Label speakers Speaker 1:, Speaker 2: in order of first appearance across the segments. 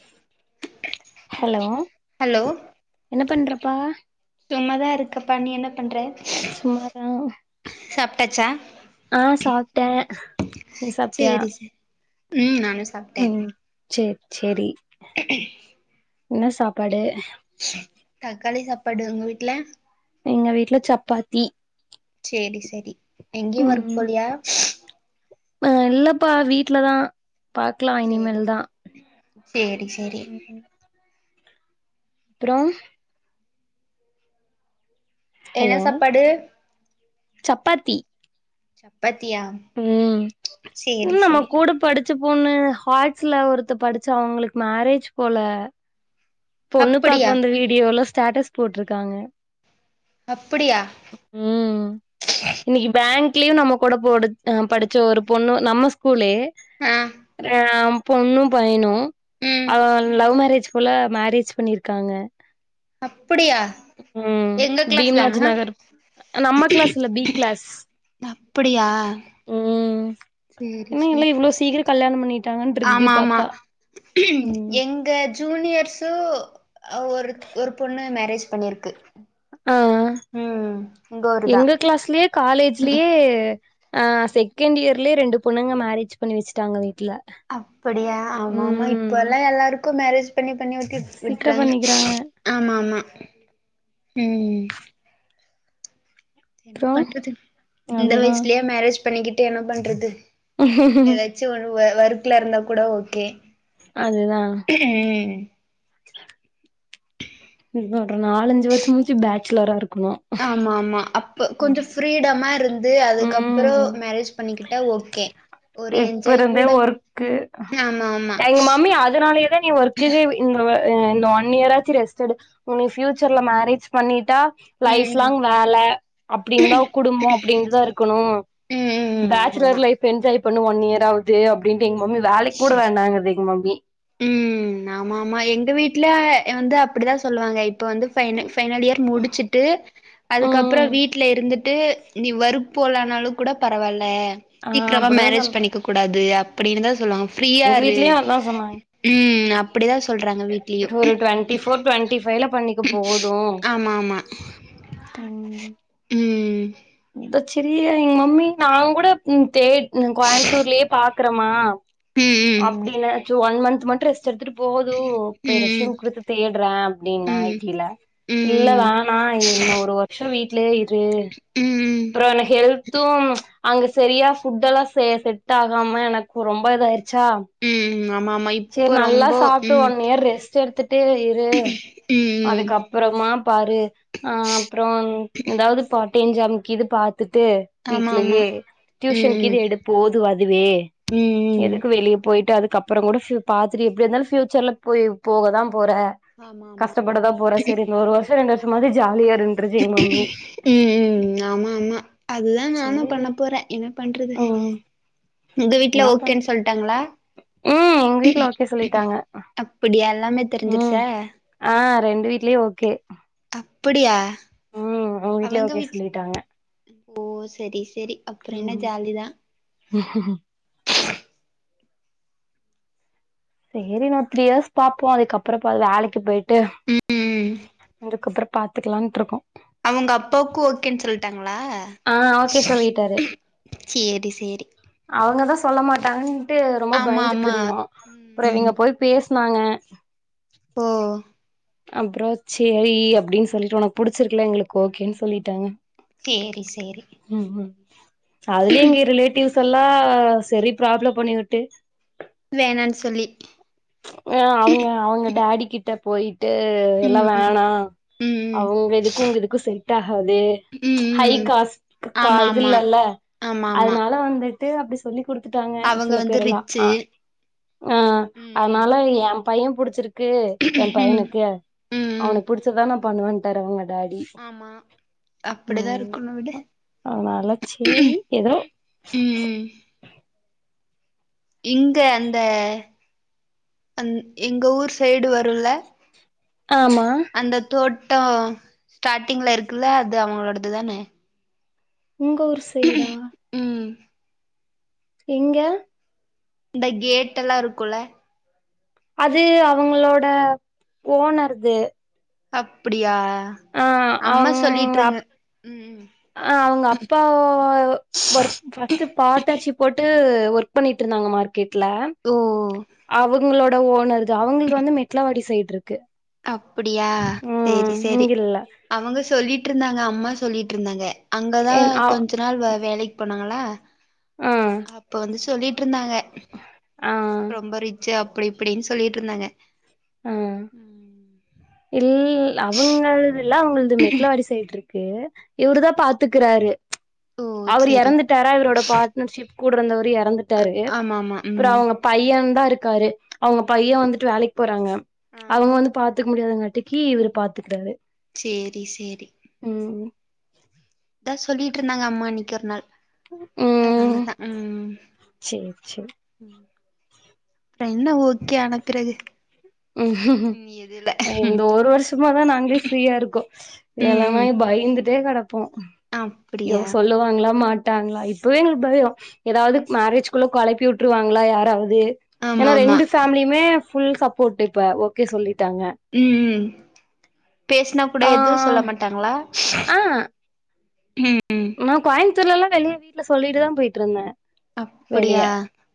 Speaker 1: உம் hello
Speaker 2: hello
Speaker 1: என்ன பண்றப்பா
Speaker 2: சும்மாதான் இருக்கப்பா நீ என்ன பண்ற
Speaker 1: சும்மாதான்
Speaker 2: சாப்ப. ட்டாச்சா
Speaker 1: ஆ சாப்பிட்டேன் நீ சாபட்டியா
Speaker 2: சேரி சே ம் நானும்
Speaker 1: ம் செரி செரி
Speaker 2: க்கும்
Speaker 1: என்ன சாப்பாடு
Speaker 2: தக்காளி சாப்பாடு உங்க வீட்ல
Speaker 1: எங்க வீட்ல சப்பாத்தி
Speaker 2: செரி சார் எங்கயும் ஒர்க்
Speaker 1: ம்
Speaker 2: போலயா
Speaker 1: ஆ இல்லப்பா வீட்டு்லதான் பாக்கலாம்
Speaker 2: சேரி
Speaker 1: இனிமேல் தான்
Speaker 2: சேரி சேரி
Speaker 1: அப்பறம்
Speaker 2: என்ன
Speaker 1: ஹலோ
Speaker 2: சாப்பாடு
Speaker 1: சப்பாத்தி
Speaker 2: சப்ப சப்பாத்தியா
Speaker 1: ம்
Speaker 2: செரி செரி
Speaker 1: ச்ச பொண்ணு ஹாட்ஸ்ல ஒருத்த படிச்ச அவங்களுக்கு மேரேஜ் போல பொண்ணு பாக்க
Speaker 2: அப்படியா
Speaker 1: வந்த வீடியோல்லாம் ஸ்டாட்டஸ் போட்டிருக்காங்க
Speaker 2: அப்படியா
Speaker 1: ம் இன்னைக்கு பேங்க் லீவ் நம்ம கூட போடு படு ஒரு பொண்ணு நம்ம ஸ்கூலே
Speaker 2: ஆ
Speaker 1: அஹம் பொண்ணும் பையனும்
Speaker 2: ம்
Speaker 1: அஹ லவ் மேரேஜ் சொல்ல அரேஞ்ச் பண்ணிருக்காங்க
Speaker 2: அப்படியா
Speaker 1: ம்
Speaker 2: எங்க கிளாஸ்
Speaker 1: பீம்ராஜ்
Speaker 2: தானா
Speaker 1: நகர் நம்ம கிளாஸ் இல்ல பி கிளாஸ்
Speaker 2: அப்படியா
Speaker 1: ம்
Speaker 2: சேரி
Speaker 1: இன்னும் இல்ல
Speaker 2: சேரி
Speaker 1: இவ்ளோ சீக்கிரம் கல்யாணம் பண்ணிட்டு
Speaker 2: ஆமா ஆமா
Speaker 1: ம்
Speaker 2: எங்க ஜூனியர்ஷ்சு ஒரு ஒரு பொண்ண மேரேஜ் பண்ணிருக்கு
Speaker 1: ஆஹ
Speaker 2: ம் உங்க ஊருதா
Speaker 1: எங்க கிளாஸ்லே காலேஜிலேயே ஆஹ செகண்ட் இயர்லயே ரெண்டு பொண்ணுங்க மேரேஜ் பண்ணி வச்சுட்டாங்க வீட்ல
Speaker 2: அப்படியா ஆமா ஆமா
Speaker 1: ம்
Speaker 2: இப்பல்லா எல்லாருக்கும் மேரேஜ் பண்ணி பண்ணிவிட்டு
Speaker 1: சீக்கிர
Speaker 2: விட்டுறாங்க
Speaker 1: பண்ணிக்கிறாங்க
Speaker 2: ஆமா ஆமா உம் என்ன
Speaker 1: அப்றோ
Speaker 2: பண்றது இந்த
Speaker 1: அதுதா
Speaker 2: வயசுலே மேரேஜ் பண்ணிக்கிட்டு என்ன பண்ணுறது யாராச்சு வருவர் ஒர்க்ல இருந்தா கூட ஓகே உம்
Speaker 1: டுக்கு இன்னும் நாலஞ்சு வருஷம் முடிச்சு பேச்சுலரா இருக்கும்
Speaker 2: ஆமா ஆமா அப் இப்ப கொஞ்சம் ஃப்ரீடமா மா இருந் ந்து அதுக்கப்பறம்
Speaker 1: ம்
Speaker 2: மேரேஜ் பண்ணிக்கிட்ட ஓகே ஒரு
Speaker 1: இப்ப
Speaker 2: என்ஜாய்
Speaker 1: இருந்தே
Speaker 2: கூட
Speaker 1: ஒர்க்கு
Speaker 2: ஆமா ஆமா
Speaker 1: எங்க மாமி அதனாலயேதான் நீ ஒர்க்குக்கு இந்த ஒன் இயர் ஆச்சு ரெஸ்ட் எடு உனயே பியூச்சர்ல மேரேஜ் பண்ணிட்டா
Speaker 2: ம்
Speaker 1: லைஃப் லாங் வேல அப்படந்தா குடும்பம் அப்டின்னுதான் இருக்கணும்
Speaker 2: ம் ம் ம் ம்
Speaker 1: பேச்சலர்
Speaker 2: ஆமாமா
Speaker 1: லைஃப் என்ஜாய் இப்ண்ணும் ஒன் இயர் ஆவுது அப்டின்னு எங்க மம்மி வேலக்கு கூட வேணாங்குது எங்க மம்மி
Speaker 2: ம் ஆமா ஆமா எங்க வீட்டுல வந்து அப் அப்டிதான் சொல்லுவாங்க வந்து பைன் பைனல் இயர் முடிச்சுட்டு அதுக்கப்பறம் வீட்டுல இருந்து ட்டு நீ வறு போலானாலும் கூட பரவால்ல
Speaker 1: ஆ
Speaker 2: சீக்கிரமா
Speaker 1: அப்டிதா
Speaker 2: மேரேஜ்
Speaker 1: சொல்றே
Speaker 2: பண்ணிக்க கூடாது அப்பிடினு தான் சொல்வாங்க
Speaker 1: எங்க
Speaker 2: ஃப்ரீயாரு
Speaker 1: வீட்லயு அதா சொன்னாங்க
Speaker 2: உம் அப்டிதான் சொல்றாங்க வீட்லயும்
Speaker 1: ஒரு டுவெண்ட்டி ஃபோர் டுவெண்ட்டி ஃபைவ்ல பண்ணிக்க போது
Speaker 2: ஆமா ஆமா ம்
Speaker 1: இத சிறிய எங்க மம்மி நான கூட தே கோயமுத்தூர்லயே பாத் க்கரமா
Speaker 2: ம் ம்
Speaker 1: அப்படின்னச்சு ஒன் மன்த் மட்டு ரெஸ் எடுத்துட்டு போதும் இப்ப
Speaker 2: ம்
Speaker 1: ரிஷயூம் குடுத்து தேடுறேன் அப்படின் நா
Speaker 2: ம்
Speaker 1: இட்டில
Speaker 2: ம்
Speaker 1: இல்ல
Speaker 2: ம்
Speaker 1: வோன் நான் இன்னும் ஒரு வருஷம் வீட்டு [unintelligible] தழ் [unintelligible]
Speaker 2: ம் ம்
Speaker 1: அப்றோ எனக்கு ஹெல்தும் அங்க சரியா ஃபுட்டெல்லாம் செ செட் ஆகாம எனக்கு ரொம்ப இதாயிடுச்சு சா
Speaker 2: ம் ஆமா ஆமா இப்போ
Speaker 1: சேரி நல்லா
Speaker 2: ரொம்ப
Speaker 1: சாப்பிட்டு
Speaker 2: ம்
Speaker 1: ஒன் இயர் ரெஸ் சேர்து பட்டு இரு
Speaker 2: ம் ம்
Speaker 1: அதுக்கப்புறமா பாரு ஆஹ அப்புறம் ஏதாவது பா பெஞ்சம் இது பாத் வித்துட்டு
Speaker 2: ஆமா ஆமா
Speaker 1: வீடலேயே டியூஷன் கீது
Speaker 2: ம்
Speaker 1: எடு போதும் அதுவே
Speaker 2: ம் ம்
Speaker 1: எதுக்கு வெளிய போயிட்டு அதுக்குக்கப்புறம் கூட பாத்துட்டு எப்படி இருந்தாலும் பியூச்சர்ல போய் போகதான் போற
Speaker 2: ஆமா ஆமா
Speaker 1: கஷ்டபடதான் போற சரி இன்னொ ஒரு வருஷம் ரெண்டு வருச மாரி ஜாலியா இருந்துருச்சு எங்க மம்மி
Speaker 2: உம் உம் ஆமா ஆமா ஆமா அதுதான் நானும் பண்ண
Speaker 1: சேரி
Speaker 2: போறேன் என்ன பண்றது
Speaker 1: ம்
Speaker 2: உங்க வீட்ல ஓகேன்னு சொல்லிட்டாங்களா
Speaker 1: உம் எங்க வீட்ல ஓகே சொல்லிட்டாங்க
Speaker 2: அப்படியா எல்லாமே
Speaker 1: உஹம்
Speaker 2: தெரிஞ்சிருச்சா
Speaker 1: ஆஹ ரெண்டு வீட்லயும் ஓகே
Speaker 2: அப்புடியா
Speaker 1: ம் உங்க வீட்லயே ஓகே சொல்லிட்டாங்க
Speaker 2: ஓ சரி சரி அப்புறம் என்ன ஜாலிதான்
Speaker 1: ஹ செரி த்ரீ இயர்ஸ் பார்ப்போம் அதுக்கப்பறம் வேலக்கு போயிட்டு
Speaker 2: ம்
Speaker 1: ட்டு அதுக்கப்பறம் பாத்துக்கலாம்ட்டு இருக்கோம்
Speaker 2: ட்டாங்களா செரி செரி
Speaker 1: அவங்கதா சொல்ல மாட்டாங்க ரொம்ப பயந்துட்டு இருந்தோம் அப்பறம் இவங்க
Speaker 2: ம்
Speaker 1: போய் பேசிட்டு சொன்னாங்க
Speaker 2: ஹ
Speaker 1: அப்பறம் செரி அப்டின்னு சொல்லிட்டு உனக்கு புடிச்சிருக்கல எங்களுக்கு ஓகேன்னு சொல்லிட்டாங்க
Speaker 2: செரி செரி
Speaker 1: அதுல எங்க ரிலேட்டிவ்ஸ் ல்லாம் சரி ப்ராப்ளம் பண்ணி விட்டு
Speaker 2: வேணான்னு சொல்லி இருக்கேன்
Speaker 1: ஆ அவங்க அவங்க டாடி கிட்ட போய் ட்டு
Speaker 2: ம்
Speaker 1: எல்லாம்
Speaker 2: ம்
Speaker 1: வேணாம்
Speaker 2: ம்
Speaker 1: அவங்க இதுக்கும் உங்க எதுக்கும் செட்டு அதே
Speaker 2: ம்
Speaker 1: ஹை
Speaker 2: ம் ம்
Speaker 1: காஸ்ட்
Speaker 2: ஆமா ஆமா
Speaker 1: இதுல்லல்ல
Speaker 2: ஆமா ஆமா
Speaker 1: அதனால வந்து அப்படி சொல்லி புட்டு குடுத்துட்டாங்க
Speaker 2: அவங்க
Speaker 1: சில
Speaker 2: வந்து
Speaker 1: பேரெல்லாம்
Speaker 2: ரிச்சு
Speaker 1: ஆ ஆ
Speaker 2: ம்
Speaker 1: அதனால எம் பையம் புடிச்சிருக்கு என்
Speaker 2: ம்
Speaker 1: பையனுக்கு
Speaker 2: ம்
Speaker 1: அவனு
Speaker 2: ம்
Speaker 1: பிடிச்சாதான் பண்ணுவன் பருங்களே டாடி
Speaker 2: ஆமா அப்டிதா
Speaker 1: உம்
Speaker 2: இருக்கணு விடு
Speaker 1: ஆனாலா செரி எதோ
Speaker 2: ம் இங்க அந்த அந்த எங்க ஊர் சைடு வரும்ல
Speaker 1: ஆமா
Speaker 2: அந்த தோட் ட்டம் ஸ்டார்ட்டிங்ல இருக்குல்ல அது அவங்களோடது தானே
Speaker 1: உங்க ஊர் சைடா
Speaker 2: ம்
Speaker 1: எங்க
Speaker 2: இந்த கேட் டெல்லா இருக்குல
Speaker 1: அது அவங்களோட ஓனர்து
Speaker 2: அப்புடியா
Speaker 1: ஆ
Speaker 2: அம்மா சொல்லிட்டு இருங்க ம்
Speaker 1: அ அவங்க அப்பா ஓர்க் ஃபர்ஸ்ட் பாட்டாச்சி போட்டு ஒர்க் பண்ணிட்டு இருந்தாங்க மார் கெட்டுல
Speaker 2: ஓ
Speaker 1: அவுக் உங்களோட ஓனர் தான் அவுங்களது வந்து மெட்லவாடி சைடு இருக்கு
Speaker 2: அப்டியா
Speaker 1: ம்
Speaker 2: சேரி சேரி
Speaker 1: இங்க இல்ல
Speaker 2: அவுங்க சொல்லிட்டு இருந்தாங்க அம்மா சொல்லிட்டு இருந்தாங்க அங்கே தான்
Speaker 1: என் ஆ
Speaker 2: கொஞ்ச நாள் வே வேலக்கு போனாங்களா
Speaker 1: ஆ
Speaker 2: அப்ப வந்து சொல்லிட்டு இருந்தாங்க
Speaker 1: ஆ
Speaker 2: ரொம்ப அப்டி இப்டின்னு சொல்லிட்டு இருந்தாங்க ம்
Speaker 1: ம் அவுங்களுது எல்லாம் உங்களது மெட்லவாடி சைடு இருக்கு ஏ இவரு தான் பாத்துக்கிறாரு
Speaker 2: ஓ
Speaker 1: அவர்
Speaker 2: சேரி
Speaker 1: இறந்துட்டாரா இவரோட பாட்னர்ஷிப் கூடயிருந்தவர் யார் இறந்துட்டாரு
Speaker 2: ஆமாமா
Speaker 1: அப்பறம்
Speaker 2: ம்
Speaker 1: அவுங்க பையன் தான் இருக் காரு அவுங்க
Speaker 2: ம்
Speaker 1: பையன் வந்துட்டு வேலக்கு போறாங்க
Speaker 2: ஆ
Speaker 1: அவுங்க வந்து பாத்து முடியாதங்காட்டிக்கு இவரு பாத்துக்கிறாரு
Speaker 2: சேரி சேரி
Speaker 1: ம்
Speaker 2: இதான் சொல்லிட்டு இருந்தாங்க அம்மா அன்னைக்கு ஒரு நாள்
Speaker 1: ம்
Speaker 2: அதனால தான் ம்
Speaker 1: சேரி சேரி
Speaker 2: ம் பிறகு
Speaker 1: ம் இந்த ஒரு வருஷமாதான் நாங்களே ஃப்ரீயா இருக்கோம் இ
Speaker 2: ம்
Speaker 1: எல்லாம
Speaker 2: ம்
Speaker 1: பயந்துட் ட்டே கெடப்போ
Speaker 2: அப்டியா
Speaker 1: இவுங்க சொல்லுவாங்களா மாட் டாங்களா இப்பவே எங்களுக்கு பயம் ஏதாவது மேரேஜ்கள்ள குழப்பி விட்டுருவாங்களா யாராவது இது ஏன்னா
Speaker 2: ஆமாமா
Speaker 1: ரெண்டு பேஃபேமிலியுமே ஃபுல் சப்போ்ட் இப்ப ஓகே சொல்லிட்
Speaker 2: உம் உம் பேசுனா கூட
Speaker 1: ஆ
Speaker 2: எதுவு சொல்ல மாட்டாங்களா
Speaker 1: ஆ
Speaker 2: ஹம்
Speaker 1: நா கோயம் இத்தன்நாளா வெளிய வீட்டுல சொல்லிட்டுதான் போயிட்டு இருந்தேன்
Speaker 2: அப்டியா
Speaker 1: வெளியே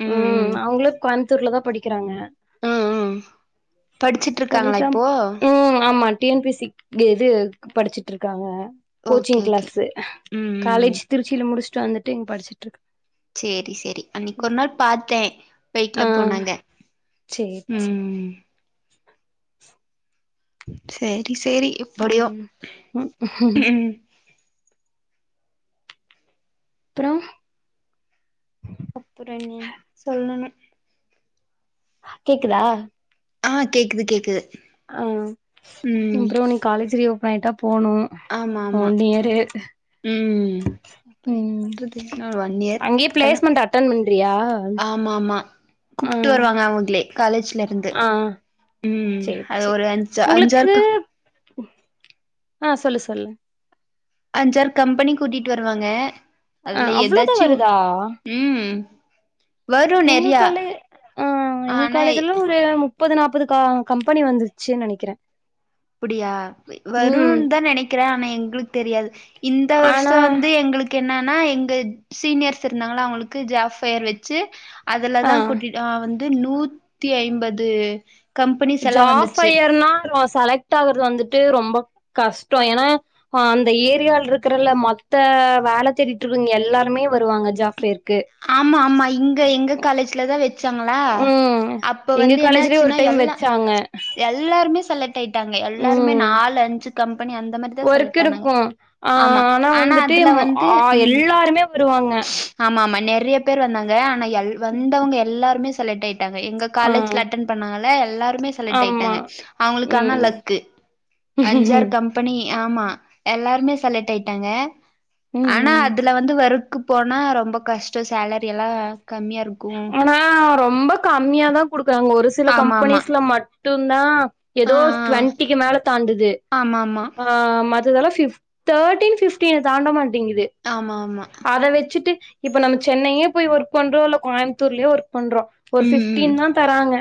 Speaker 2: ம்
Speaker 1: உம் அவங்களுக்கு கொழ சித்தூர் தான் படிக்கிறாங்க
Speaker 2: ஹம் உம் படிச்சுட்டு இருக்காங்களா
Speaker 1: சொல்லிதா
Speaker 2: இப்போ
Speaker 1: ம் ஆமா டி என் பி சி இது படிச்சிட்டுருக்காங்க
Speaker 2: ஓகே
Speaker 1: கோச்சிங்
Speaker 2: ஓகே
Speaker 1: கிளாசு
Speaker 2: ம் ம்
Speaker 1: காலேஜ் திருச்சில முடிச் வந்துட்டுங்க படிச்சிட்டு இருக்கு
Speaker 2: செரி செரி அன்னைக்கு ஒரு நாள் பாத்தேன் பைக்ல
Speaker 1: ஆ
Speaker 2: போனாங்க
Speaker 1: சேரி சேரி
Speaker 2: உம் சேரி செரி எப்படியோ
Speaker 1: ம் அப்றோ
Speaker 2: உஹம்
Speaker 1: அப்புறோம்
Speaker 2: அப்புற நீ சொல்லணும்
Speaker 1: கேக்குதா
Speaker 2: ஆஹ் கேக்குது கேக்குது
Speaker 1: ஆஹ் இ
Speaker 2: ம்
Speaker 1: பரோ நீ காலேஜ்லயோ வைன்கப்
Speaker 2: ஆமா ஆமா உஹம் அப்புறம் என்ன
Speaker 1: ம்
Speaker 2: பண்றது இன்னும்ஒன்இயரு
Speaker 1: அங்கேயே பிளேஸ்மெண்ட் அட்டன் பண்றியா
Speaker 2: ஆமா ஆமா
Speaker 1: ஆ
Speaker 2: கூப்பிட்டு வருவாங்க அவுங்ளே காலேஜ்க் இருந்து
Speaker 1: ஆ
Speaker 2: உம்
Speaker 1: சேரி
Speaker 2: அது
Speaker 1: சேரி
Speaker 2: ஒரு அஞ் அஞ்சா
Speaker 1: உங்களுக்கு
Speaker 2: ருக்கா
Speaker 1: ஆ சொல்லு சொல்லு
Speaker 2: அஞ்சாறு கம்பெனி கூட்டிட்டு வருவாங்க
Speaker 1: ஆ
Speaker 2: அதுல
Speaker 1: அவ்ளோதா
Speaker 2: எதாச்சு
Speaker 1: வருதா
Speaker 2: உம்
Speaker 1: எங்க காலே ஆஹ் எங்க
Speaker 2: ஆனா
Speaker 1: காலேஜல்லாம் ஒரு முப்ப முப்பது நாற்பது கா கம்பெனி வந்துச்சுன்னு நெனைக்கிறேன்
Speaker 2: அப்படியா வரும்னு தான் நெனைக்கிறேன் ஆனா எங்களுக்கு தெரியாது இந்த
Speaker 1: ஆனா
Speaker 2: வருஷம் வந்து எங்களுக்கு என்னன்னா எங்க சீனியர்ஸ் இருந்தாங்க அவங்களுக்கு ஜாப் பயர் வச்சு அதுல
Speaker 1: ஆ
Speaker 2: தான் கூட்டிட்டு ஹ வந் நூத்தி ஐம்பது கம்பெனிஸ் எல்லா
Speaker 1: ஜாப்
Speaker 2: வந்துச்சு
Speaker 1: ஃபையர்னா வாஸ் செலெக்ட் ஆகுறது வந்துட்டு ரொம்ப கஷ்டம் ஏன்னா அந்த ஏரியாவில் இருக்கறல மொத்த வேல தேடிட்டு இருக்கறவங்க எல்லாருமே வருவாங்க ஜாப்க்கு
Speaker 2: ஆமா ஆமா இங்க எங்க காலேஜ்ல தா வச் வச்சாங்களா
Speaker 1: ம்
Speaker 2: அப்ப
Speaker 1: எங்க
Speaker 2: வந்து
Speaker 1: காலேஜ்லயே ஒரு
Speaker 2: என்னாச்சுன்னா
Speaker 1: டைம்
Speaker 2: எல்லா
Speaker 1: வச்சாங்க
Speaker 2: எல்லாருமே செல்க செலக்ட் ஆயிட்டாங்க எல்லாருமே நாலு அஞ்சு கம்பெ
Speaker 1: ஒர்க்கு இருக்கும் ஆ
Speaker 2: ஆமா
Speaker 1: ஆனா வந்துட்டு
Speaker 2: அதுல
Speaker 1: அ
Speaker 2: வந்து ம்
Speaker 1: எல்லாருமே வருவாங்க
Speaker 2: ஆமா ஆமா நெறைய பேர் வந்தாங்க ஆனா எல் வந்தவங்க எல்லாருமே செலக்ட் எங்க
Speaker 1: ஆ
Speaker 2: காலேஜ்ல அட்டென் பண்ணுணாங்கள எல்லாருமே செலக்ட்
Speaker 1: ஆமா
Speaker 2: ஆயிட்டாங்க அவங்களுக்கு ஆனா
Speaker 1: ம்
Speaker 2: லக்கு அஞ்சு ஆறு
Speaker 1: ம்
Speaker 2: கம்பெனி ஆமா எல்லாருமே செலக்ட் ஆயிட்டாங்க ஆனா
Speaker 1: ம்
Speaker 2: அதுல வந்து வரு அங்க போனா ரொம்ப கஷ் சேலரி எல்லாம் கம்மியா இரு
Speaker 1: ஏனா ரொம்ப கம்மியாதா அங்க ஒரு சில
Speaker 2: ஆமாமா.
Speaker 1: கம்பெனிஸ்ல மட்டு டுந்தா
Speaker 2: ஆ,
Speaker 1: ஏதோ
Speaker 2: ஆ.
Speaker 1: டுவெண்ட்டிக்கு மேல தாண்டுது
Speaker 2: ஆமாமா.
Speaker 1: ஆ மத் இதல்லா ஃபிப் தேட்டி ஃபிப்டியன தாண்ட மட் மாட்டேங்குது
Speaker 2: ஆமாமா.
Speaker 1: அத வச்சுட்டு இப்ப நம்ம சென்னையே போய் ஒர்க் பண்றோம் இல்ல கோயம் ஊர்லயே ஒரு [inaudible] பண்றோம் ஒரு
Speaker 2: ம், ம்.
Speaker 1: ஃபிப்டின் தான் தராங்க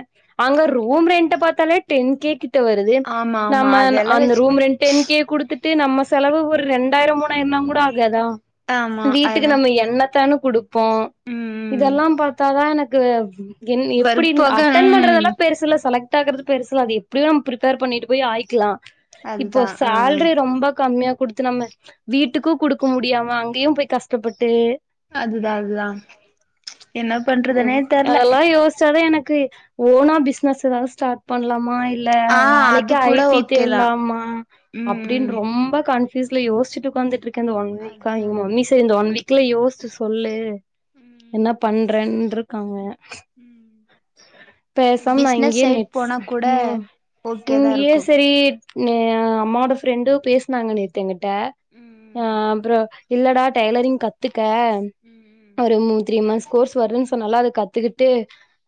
Speaker 1: அங்க ரூம் ரெண்ட் பாத்தாலே டென் கே வருது
Speaker 2: ஆமாமா.
Speaker 1: நம்ம
Speaker 2: அதெல்லாம்
Speaker 1: அந்த
Speaker 2: வச்சு
Speaker 1: ரூம் ரெண்டே டென் கே குடுத்து இதுவே நம்ம செலவு ஒரு ரெண்டாயிரம் மூணாயிரனாம் கூட ஆகாதா
Speaker 2: ஆமா
Speaker 1: வீட்டுக்கு
Speaker 2: அதுதான்.
Speaker 1: நம்ம எண்ணத்தானும் குடு இப்போம்
Speaker 2: ம், ம்.
Speaker 1: இதெல்லாம் பா அதா எனக்கு என் எப்படி
Speaker 2: ஒர்க் போக
Speaker 1: அட்டென்்
Speaker 2: ம்.
Speaker 1: பண்றதெல்லாம் பெருசுல செலக்ட் கத்துகிறது பெருசு இல்ல அது எப்படியோ பிரிப்பர் பண்ணிட்டு போய் ஆயிக்கலாம் இப்போ
Speaker 2: அதுதான். ஆ.
Speaker 1: ஷால்ட்ரி ரொம்ப கம்மியா குடுத்து நம்ம வீட்டுக்கும் கொடுக்க முடியாம அங்கேயும் போய் கஷ்டப்பட்டு
Speaker 2: அதுதா அதுதா என்னா பண்றது
Speaker 1: உம் அதலாம் யோசிச்சி இப்பதா எனக்கு ஓனா பிசினஸ் எதாவது ஸ்டார்ட் பண்லாமா அஹ
Speaker 2: ஆ அது
Speaker 1: வேலைக்கு
Speaker 2: கூட
Speaker 1: ஐடி
Speaker 2: ஓகேதா
Speaker 1: தேடலாமா
Speaker 2: ம்
Speaker 1: அப்படினு ரொம்ப கன்பியுஸ்ல யோசிச்சிட்டு ஒக்காந்துட்டு இருக்கே இந்த ஒன் வீகா
Speaker 2: அதுதா
Speaker 1: எங்க மம்மி
Speaker 2: அதுதா
Speaker 1: செய்த இந்த ஒன் வீக் யோசிச்சு சொல்லு
Speaker 2: ம்
Speaker 1: என்ன பண்றன் வந்ருக்காங்க
Speaker 2: ம்
Speaker 1: பேசாம நா
Speaker 2: பிஸ்னஸ்
Speaker 1: இங்கே
Speaker 2: சைட்
Speaker 1: நெட்ஸ்
Speaker 2: போனா கூட
Speaker 1: உம்
Speaker 2: ஓகேதா
Speaker 1: இங்கே
Speaker 2: இருக்கு
Speaker 1: சரி அம்மா ஓட ஃப்ரெண்டும் பேசினாங்க நேத்தங்கிட்ட
Speaker 2: ம்
Speaker 1: ஆஹ ஹ அப்புறம் இல்லடா டைலரிங் கத்து
Speaker 2: ம்
Speaker 1: ஒரு மூணு த்ரீ மாஸ் கோர்ஸ் வருதுன்னு சொன்னால அத கத்துக்கிட்டு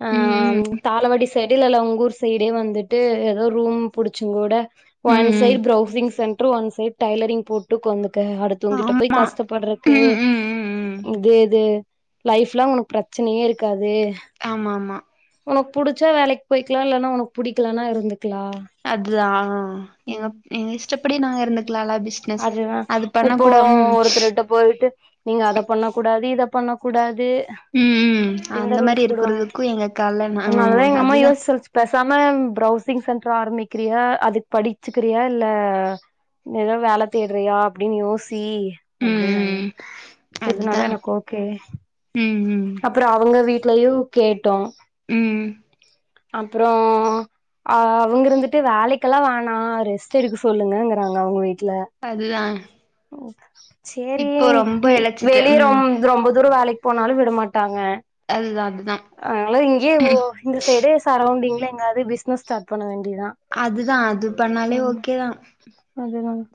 Speaker 1: ஆஹ
Speaker 2: ம்
Speaker 1: தாளவடி வெளியல உங்க ஊர் சைடே வந்துட்டு ஏதோ ரூம் படிச்சி கூட ஒன்
Speaker 2: ம் ம்
Speaker 1: side browsing centre one side tailoring போட்டு கொ வந்து அடுத்தவங்கிட்ட போய்
Speaker 2: ஆமா
Speaker 1: கஷ்டப்பறதுக்கு
Speaker 2: ம் ம் ம் ம்
Speaker 1: இது இது லைப் லாங் உனக்கு பிரச்சனையே இருக்காது
Speaker 2: ஆமா ஆமா
Speaker 1: உனக்கு புடிச்சா வேலைக்கு போய்க்கலாம் இல்லனா உனக்கு உனக்கு புடிக்கலானா இருந்துக்கலாம்
Speaker 2: அதுதா எங்க எங்க இஷ்டப்படி நாங்க இருந்துக்கலா
Speaker 1: அதுதா இப்போ ஒருத்தர்கிட்ட போயிட்டு நீங்க அத பண்ண கூட அது இத பண்ண கூடாது
Speaker 2: ம் ம்
Speaker 1: இங்க
Speaker 2: அந்த மாரி
Speaker 1: ரூல்ஸ் போடுவாங்க
Speaker 2: இருக்கிறதுக்கு எங்க கால்ல நா
Speaker 1: அதனால தா எங்க அம்மா
Speaker 2: அதுதா
Speaker 1: யோசிச்சு பேசாம பிரவுசிங் சென்டர் ஆரம்பிச்சு கத்துக்கிறியா அதுக்கு படிச்சுக்கிறியா இல்ல ஏதோ வேலைக்கு தேடுறியா அப்படினு யோசிச்சு
Speaker 2: ம்
Speaker 1: அப்படினாங்க
Speaker 2: ம் அதுதா
Speaker 1: எதுனாலும் ஓகே
Speaker 2: ம் ம்
Speaker 1: அப்புறம் அவங்க வீட்டு லயையும் கேட்டோம்
Speaker 2: உம்
Speaker 1: அப்புறம் அஹ் அவங்க இருந்துட்டு வேலைக்கெல்லாம் வேணாம் ரெஸ்ட் எடுக்கு சொல்லுங்கறாங்க அவங்க வீட்டுல
Speaker 2: அதுதான்
Speaker 1: சரி வி வெளியே ரொ
Speaker 2: ம்
Speaker 1: ரொம்ப தூர வேலைக்கு போனாலும் விடமாட்டாங்க
Speaker 2: அதுதா
Speaker 1: அதனால இங்கயே
Speaker 2: அதுதா
Speaker 1: இந்த சைடே சரௌண்டிங் இல்லங்க பிஸ்னஸ் ஸார்ட் பண்ண வேண்ட
Speaker 2: அதுதான் அது பண்ணாலே ஓகே தான்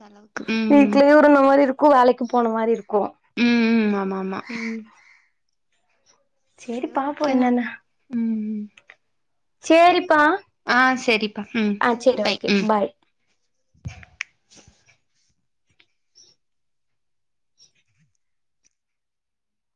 Speaker 2: அளவுக்கு ம்
Speaker 1: வீட்டலே ஒரு நம் அது இருக்கு வேலைக்கு போன மாரி இருக்கு
Speaker 2: உம் உம் ஆமா ஆமா
Speaker 1: ம் சேரி பாப்போ
Speaker 2: ஓக்கேதான் உம்
Speaker 1: சரி
Speaker 2: ஆஹ் சரிப்பா உம்
Speaker 1: சேரி
Speaker 2: பை
Speaker 1: ஓகே
Speaker 2: உம்
Speaker 1: பாய்